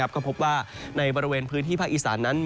ก็พบว่าในบริเวณพื้นที่ภาคอีสานนั้น